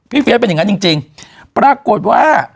เฟียสเป็นอย่างนั้นจริงปรากฏว่า